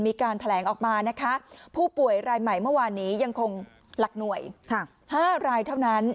มีการแถลงออกมานะคะผู้ป่วยรายใหม่เมื่อวานนี้ยังคงหลักหน่วย๕รายเท่านั้น